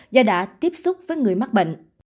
do đã tiếp xúc với người mắc bệnh